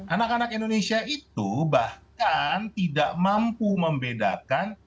anak anak indonesia itu bahkan tidak mampu membedakan